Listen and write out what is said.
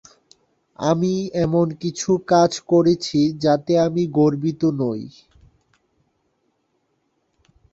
আমি এমন কিছু কাজ করেছি যাতে আমি গর্বিত নই।